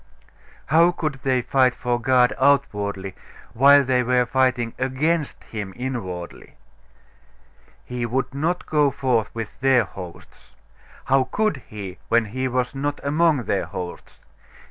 How could they fight for God outwardly, while they were fighting against him inwardly? He would not go forth with their hosts. How could He, when He was not among their hosts?